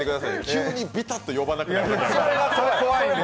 急にビタッと呼ばなくなるから。